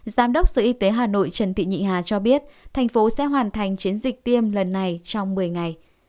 giám đốc sở y tế hà nội trần thị nhị hà cho biết thành phố sẽ hoàn thành chiến dịch tiêm lần này trong một mươi ngày